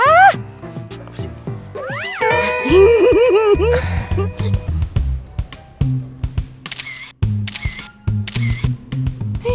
apa sih ini